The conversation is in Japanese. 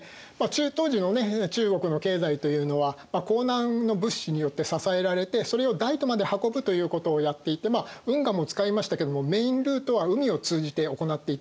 当時の中国の経済というのは江南の物資によって支えられてそれを大都まで運ぶということをやっていて運河も使いましたけどもメインルートは海を通じて行っていたんですね。